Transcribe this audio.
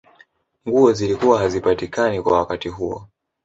nguo zilikuwa hazipatikani kwa wakati huo